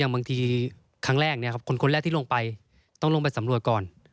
บางทีครั้งแรกคนแรกที่ลงไปต้องลงไปสำรวจก่อน